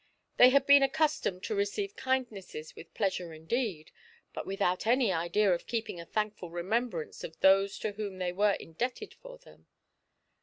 They had been accustomed to receive kindnesses vrith pleasure, indeed, but without any idea of keeping a thankful remembrance of those to whom they were indebted for them.